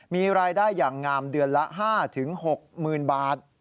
มีรายได้อย่างงามเดือนละ๕๖๐๐๐บาท